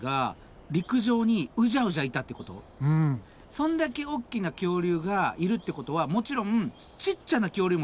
そんだけ大きな恐竜がいるってことはもちろんちっちゃな恐竜もいるってこと？